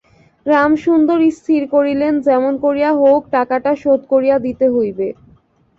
রামসুন্দর স্থির করিলেন যেমন করিয়া হউক টাকাটা শোধ করিয়া দিতে হইবে।